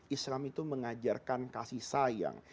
islam itu mengajarkan kasih sayang